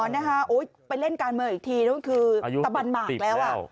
อ๋อนะฮะไปเล่นการเมืองอีกทีนี่คือตะบันหมากแล้วอ่ะ